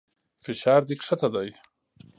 فشار دې کښته دى.